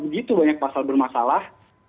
begitu banyak pasal bermasalah